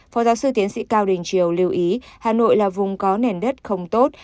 phó giáo sư tiến sĩ cao đình triều lưu ý hà nội là vùng có nền đất không tốt